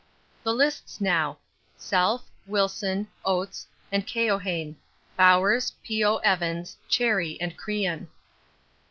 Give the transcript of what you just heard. The lists now: Self, Wilson, Oates, and Keohane. Bowers, P.O. Evans, Cherry and Crean.